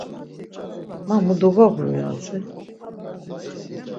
Ma mu dogogura hatzi.